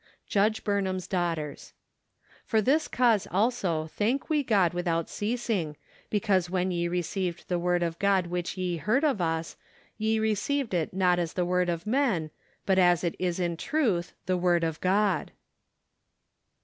«/ Judge Burubam'e Daughters. " For this cause also thank tee God without ceas¬ ing, because when ye received the icord of God which ye heard of us, ye received it not as the word of men, but as it is in truth, the word of God